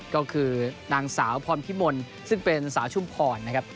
ก็คือนางสาวพรพิมลซึ่งเป็นสาวชุมพรนะครับ